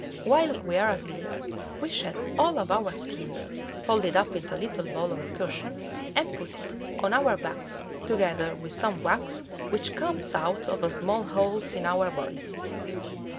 While we are asleep we shed all of our skin, fold it up into a little ball or cushion and put it on our backs, together with some wax which comes out of small holes in our bodies.